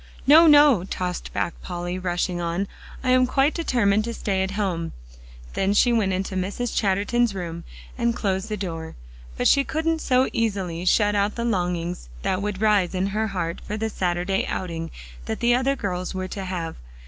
"No, no," tossed back Polly, rushing on, "I am quite determined to stay at home." Then she went into Mrs. Chatterton's room, and closed the door. But she couldn't so easily shut out the longings that would rise in her heart for the Saturday outing that the other girls were to have.